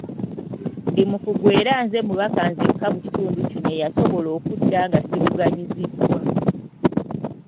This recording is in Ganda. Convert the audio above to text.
Ndi mukugu era nze mubaka nzekka mu kitundu kino eyasobola okudda nga sivuganyiziddwa.